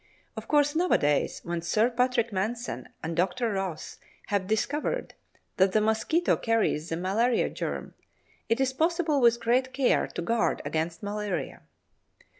Of course nowadays, when Sir Patrick Manson and Dr. Ross have discovered that the mosquito carries the malaria germ, it is possible with great care to guard against malaria.